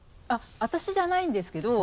私じゃないんですけど。